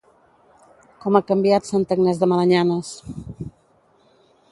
Com ha canviat Santa Agnès de Malanyanes!